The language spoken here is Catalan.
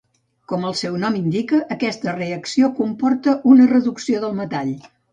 Com el seu nom indica, aquesta reacció comporta una reducció del metall.